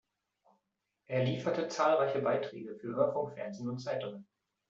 Er lieferte zahlreiche Beiträge für Hörfunk, Fernsehen und Zeitungen.